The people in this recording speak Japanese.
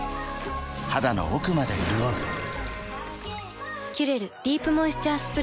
肌の奥まで潤う「キュレルディープモイスチャースプレー」